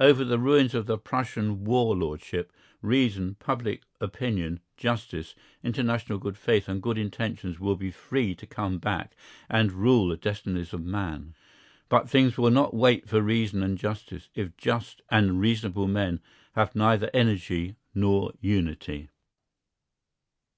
Over the ruins of the Prussian War Lordship, reason, public opinion, justice, international good faith and good intentions will be free to come back and rule the destinies of man. But things will not wait for reason and justice, if just and reasonable men have neither energy nor unity.